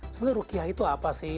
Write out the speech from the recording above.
sebenarnya rukiah itu apa sih